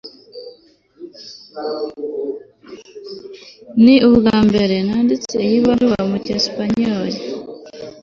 ni ubwambere nanditse ibaruwa mu cyesipanyoli